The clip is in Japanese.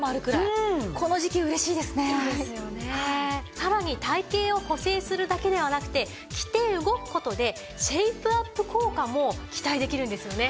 さらに体形を補整するだけではなくて着て動く事でシェイプアップ効果も期待できるんですよね。